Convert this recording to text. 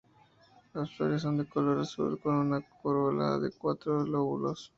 Las flores son de color azul, con una corola de cuatro lóbulos.